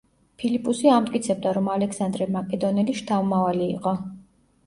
ფილიპუსი ამტკიცებდა, რომ ალექსანდრე მაკედონელის შთამომავალი იყო.